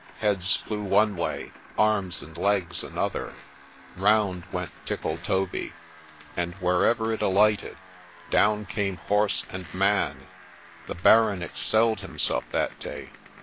Heads flew one way — arms and legs another ; round went Tickletoby ; and, wherever it alighted, down came horse and man : the Baron excelled himself that day.